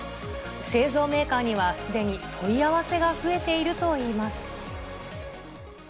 製造メーカーにはすでに問い合わせが増えているといいます。